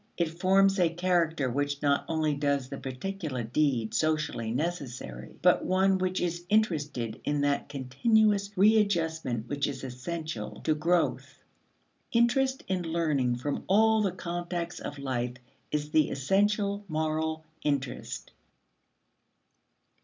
It forms a character which not only does the particular deed socially necessary but one which is interested in that continuous readjustment which is essential to growth. Interest in learning from all the contacts of life is the essential moral interest.